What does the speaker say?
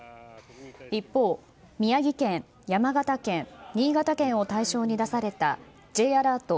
一方、宮城県、山形県、新潟県を対象に出されたＪアラート